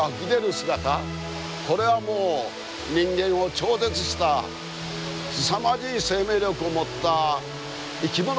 姿これはもう人間を超絶したすさまじい生命力を持った生き物であるという見方ですね。